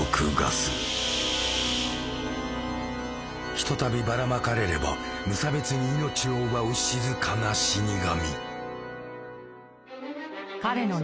ひとたびばらまかれれば無差別に命を奪う静かな死に神。